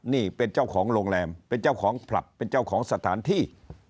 นี่เป็นเจ้าของโรงแรมเป็นเจ้าของผับเป็นเจ้าของสถานที่